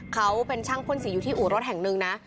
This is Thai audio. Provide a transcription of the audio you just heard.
เขาเป็นช่างพ่นสีอยู่ที่อู่รถแห่งหนึ่งนะ